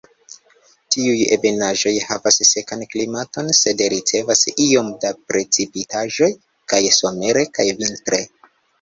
Tiuj ebenaĵoj havas sekan klimaton sed ricevas iom da precipitaĵo kaj somere kaj vintre.